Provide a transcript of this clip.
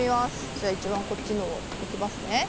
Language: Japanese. じゃあ一番こっちのをいきますね。